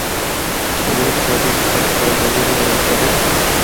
اگر اس وادی دی خاص خاص جگہاں دی گل کراں۔